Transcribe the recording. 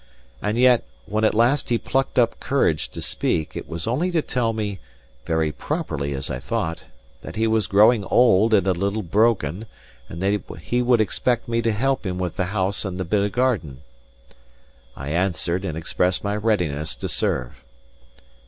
And yet, when at last he plucked up courage to speak, it was only to tell me (very properly, as I thought) that he was growing old and a little broken, and that he would expect me to help him with the house and the bit garden. I answered, and expressed my readiness to serve.